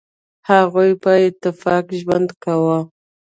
هغوی په اتفاق ژوند کاوه.